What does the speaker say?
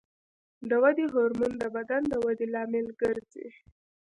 د ودې هورمون د بدن د ودې لامل ګرځي.